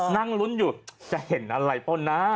นั่งลุ้นอยู่จะเห็นอะไรป่ะนะ